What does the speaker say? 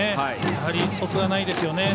やはりそつがないですよね。